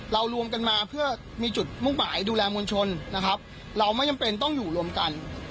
รวมกันมาเพื่อมีจุดมุ่งหมายดูแลมวลชนนะครับเราไม่จำเป็นต้องอยู่รวมกัน